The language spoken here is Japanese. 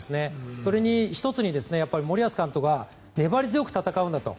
それに、１つに、森保監督は粘り強く戦うんだと。